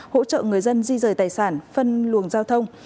hỗ trợ người dân di rời tài sản phân luồng giao thông